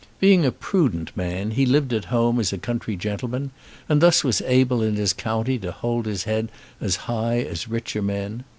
Being a prudent man, he lived at home as a country gentleman, and thus was able in his county to hold his head as high as richer men.